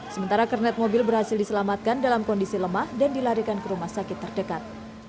sementara kernet mobil berhasil diselamatkan dalam kondisi lemah dan dilarikan ke rumah sakit terdekat